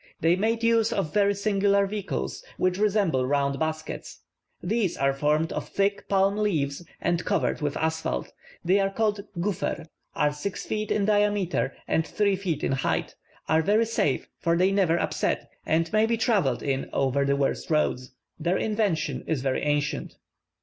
They made use of very singular vehicles, which resemble round baskets: these are formed of thick palm leaves, and covered with asphalt. They are called "guffer;" are six feet in diameter and three feet in height; are very safe, for they never upset, and may be travelled in over the worst roads. Their invention is very ancient.